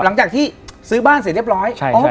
หลังจากที่ซื้อบ้านเสร็จเรียบร้อย